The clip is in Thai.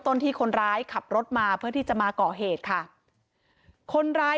ต้นที่คนร้ายขับรถมาเพื่อที่จะมาก่อเหตุค่ะคนร้าย